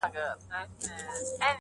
سل او شپېته کلونه!.